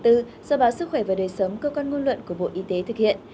do báo sức khỏe và đời sống cơ quan ngôn luận của bộ y tế thực hiện